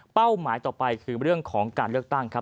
หมายต่อไปคือเรื่องของการเลือกตั้งครับ